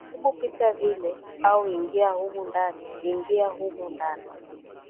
hebu pita vile au ingia humo ndani ingia humo ndani